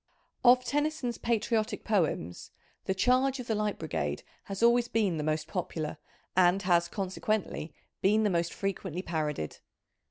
Of Tennyson's Patriotic Poems The Charge of the Light Brigade has always been the most popular, and has, consequently, been the most frequently parodied.